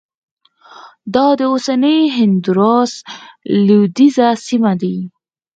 دا د اوسني هندوراس لوېدیځه سیمه ده